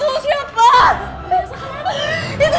oke shhh bukan bukan jangan jangan